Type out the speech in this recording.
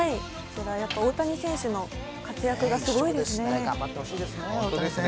大谷選手の活躍がすごいですね。